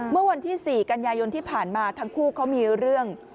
เมื่อวันที่๔กันยายนที่ผ่านมาทั้งคู่เขามีเรื่อง